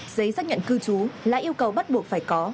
giấy xác nhận cư trú là yêu cầu bắt buộc phải có